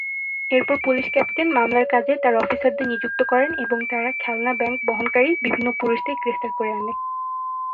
এরপর police captain মামলার কাজে তার অফিসারদের নিযুক্ত করেন এবং তারা খেলনা ব্যাংক বহনকারী বিভিন্ন পুরুষদের গ্রেফতার করে আনে।